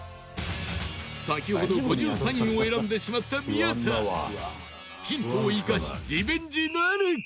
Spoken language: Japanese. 先ほど５３位を選んでしまった宮田ヒントを生かしリベンジなるか？